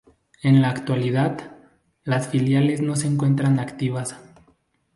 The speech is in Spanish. En la actualidad, las filiales no se encuentran activas.